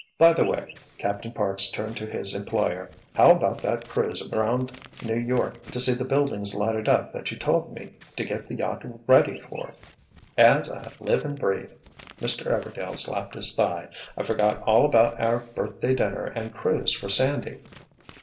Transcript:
"By the way," Captain Parks turned to his employer. "How about that cruise around New York to see the buildings lighted up that you told me to get the yacht ready for?" "As I live and breathe!" Mr. Everdail slapped his thigh. "I forgot all about our birthday dinner and cruise for Sandy."